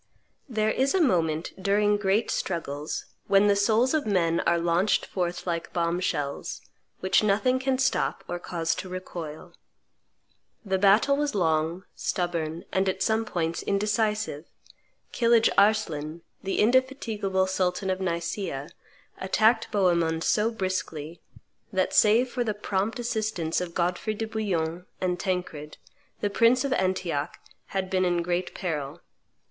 There is a moment, during great struggles, when the souls of men are launched forth like bomb shells, which nothing can stop or cause to recoil. The battle was long, stubborn, and, at some points, indecisive: Kilidge Arslan, the indefatigable sultan of Nicaea, attacked Bohemond so briskly, that, save for the prompt assistance of Godfrey de Bouillon and Tancred, the prince of Antioch had been in great peril.